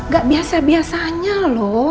gak biasa biasanya loh